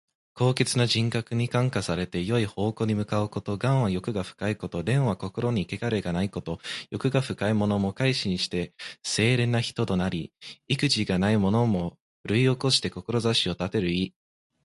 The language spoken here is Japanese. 高潔な人格に感化されて、よい方向に向かうこと。「頑」は欲が深いこと。「廉」は心にけがれがないこと。欲が深いものも改心して清廉な人となり、意気地がないものも奮起して志を立てる意。